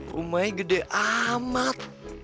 rumahnya gede amat